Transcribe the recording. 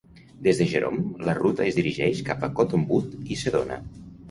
Des de Jerome, la ruta es dirigeix cap a Cottonwood i Sedona.